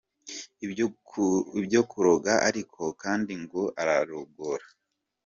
ibyo kuroga, ariko kandi ngo ararogora.